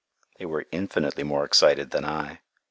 They were infinitely more excited than I.